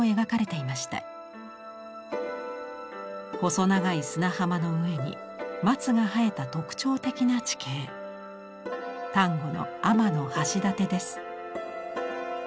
細長い砂浜の上に松が生えた特徴的な地形丹後の天橋立です。